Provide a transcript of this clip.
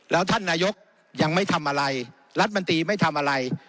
แล้วท่านนายกยังไม่ทำอะไรรัฐมนตรีไม่ทำอะไร